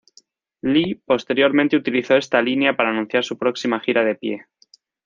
Lee posteriormente utilizó esta línea para anunciar su próxima gira de pie.